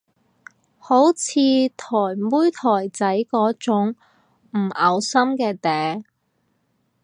好似台妹台仔嗰種唔嘔心嘅嗲